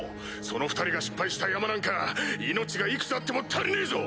その２人が失敗したヤマなんか命がいくつあっても足りねえぞ！